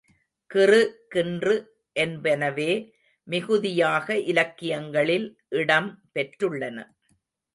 கிறு, கின்று என்பனவே மிகுதியாக இலக்கியங்களில் இடம் பெற்றுள்ளன.